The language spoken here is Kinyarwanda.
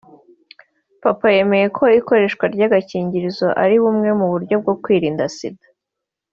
Papa yemeye ko ikoreshwa ry’agakingirizo ari bumwe mu buryo bwo kwirinda Sida